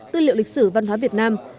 tư liệu lịch sử văn hóa việt nam